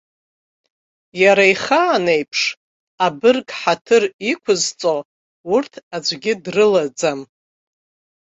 Иара ихаан еиԥш, абырг ҳаҭыр иқәызҵо урҭ аӡәгьы дрылаӡам.